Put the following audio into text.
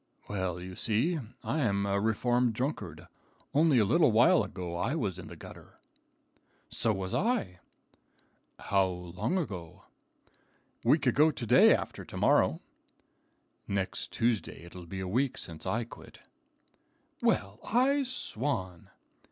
"Well, you see, I'm a reformed drunkard. Only a little while ago I was in the gutter." "So was I." "How long ago?" "Week ago day after to morrow." "Next Tuesday it'll be a week since I quit." "Well, I swan!"